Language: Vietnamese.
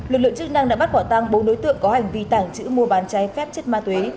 luật lượng chức năng đã bắt quả tăng bốn đối tượng có hành vi tảng chữ mua bán trái phép chất ma túy